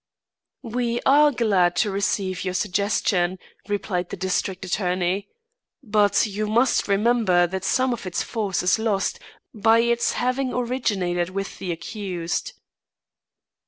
"We are glad to receive your suggestion," replied the district attorney. "But you must remember that some of its force is lost by its having originated with the accused."